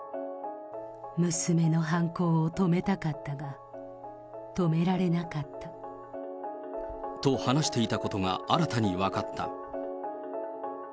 娘の犯行を止めたかったが、止められなかった。と、話していたことが新たに分かった。